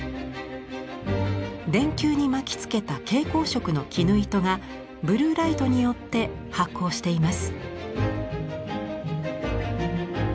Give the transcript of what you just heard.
電球に巻きつけた蛍光色の絹糸がブルーライトによって発光しています。